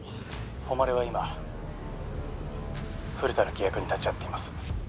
☎誉は今古田の契約に立ち会っています。